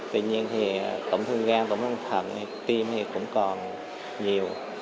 tuy nhiên thì tổn thương gan tổn thương thận tim thì cũng còn nhiều